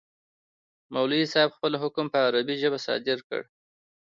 مولوي صاحب خپل حکم په عربي ژبه صادر کړ.